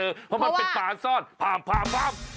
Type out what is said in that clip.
เพราะว่าเพราะมันเป็นปลาซ่อนพร้อมพร้อมพร้อม